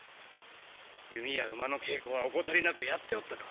弓や馬の稽古は怠りなくやっておったか？